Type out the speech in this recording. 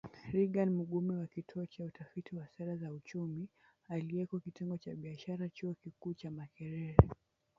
Reagan Mugume wa Kituo cha Utafiti wa Sera za Uchumi, aliyeko Kitengo cha Biashara Chuo Kikuu cha Makerere